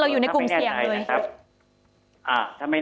อ๋อถ้าไม่แน่ใจฟังมาโทรตอบสามที่๑๔๒